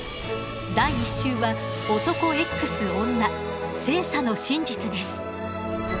第１集は男Ｘ女性差の真実です。